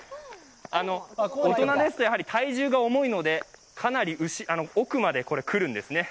大人ですとやはり体重が重いのでかなり奥まで来るんですね。